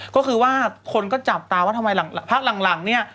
ก็คือว่าคนก็จับตาว่าทำไมพักหลังเนี่ย